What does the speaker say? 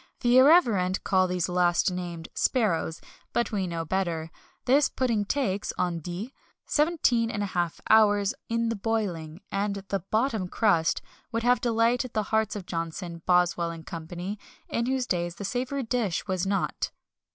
The irreverent call these last named sparrows, but we know better. This pudding takes (on dit) 17½ hours in the boiling, and the "bottom crust" would have delighted the hearts of Johnson, Boswell, and Co., in whose days the savoury dish was not.